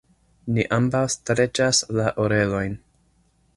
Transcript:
Ni ambaŭ streĉas la orelojn.